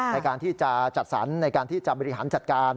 ในการที่จะจัดสรรในการที่จะบริหารจัดการ